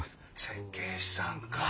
設計士さんか。